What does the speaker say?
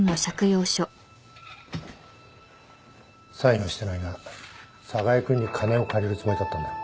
サインはしてないが寒河江君に金を借りるつもりだったんだろ。